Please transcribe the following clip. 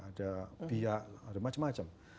ada pihak ada macam macam